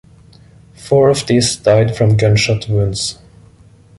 Four of these died from gunshot wounds.